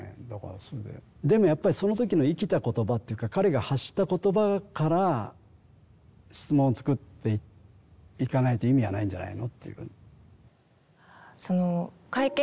でもやっぱりその時の生きた言葉っていうか彼が発した言葉から質問を作っていかないと意味はないんじゃないの？っていう。